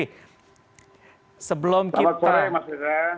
selamat sore mas yusri